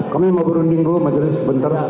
kami mau berunding dulu majelis sebentar